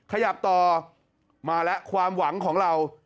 ขยับต่อมาแล้วความหวังของเรา